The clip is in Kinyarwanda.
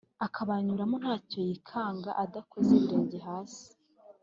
akabanyuramo nta cyo yikanga, adakoza ibirenge hasi.